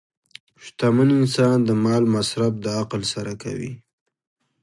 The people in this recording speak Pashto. شتمن انسان د مال مصرف د عقل سره کوي.